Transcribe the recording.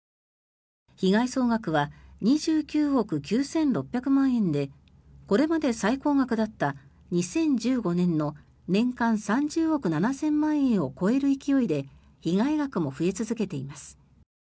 被害総額は２９億９６００万円でこれまで最高額だった２０１５年の年間３０億７０００万円を超える勢いで被害額も増え続けています。